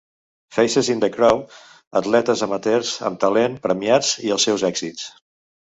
"Faces in the Crowd": atletes amateurs amb talent premiats i els seus èxits.